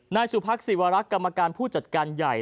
นายสุภักดิวรักษ์กรรมการผู้จัดการใหญ่